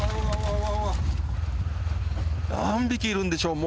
何匹いるのでしょう？